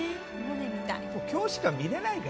今日しか見れないから。